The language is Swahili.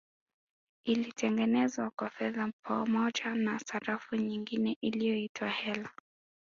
Ilitengenezwa kwa fedha pamoja na sarafu nyingine iliyoitwa Heller